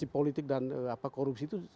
politik dan korupsi itu